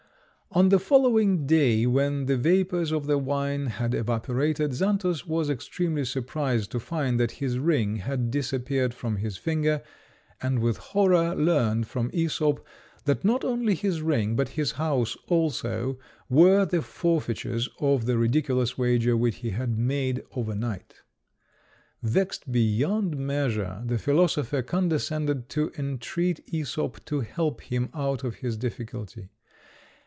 On the following day, when the vapours of the wine had evaporated, Xantus was extremely surprised to find that his ring had disappeared from his finger, and with horror learned from Æsop that not only his ring, but his house also, were the forfeitures of the ridiculous wager which he had made over night. Vexed beyond measure, the philosopher condescended to entreat Æsop to help him out of his difficulty.